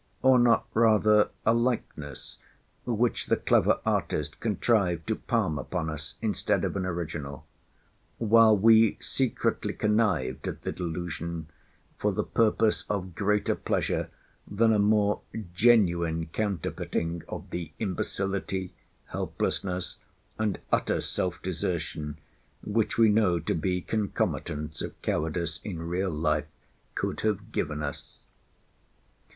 or not rather a likeness, which the clever artist contrived to palm upon us instead of an original; while we secretly connived at the delusion for the purpose of greater pleasure, than a more genuine counterfeiting of the imbecility, helplessness, and utter self desertion, which we know to be concomitants of cowardice in real life, could have given us?